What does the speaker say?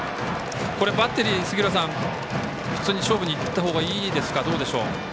これバッテリー普通に勝負にいったほうがいいですか。